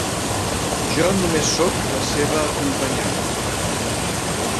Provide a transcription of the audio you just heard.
Jo només soc la seva acompanyant.